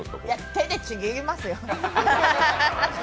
手でちぎりますよ。